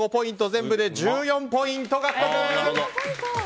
全部で１４ポイント獲得。